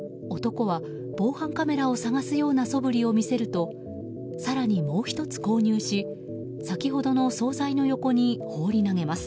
男は防犯カメラを探すようなそぶりを見せると更にもう１つ購入し先ほどの総菜の横に放り投げます。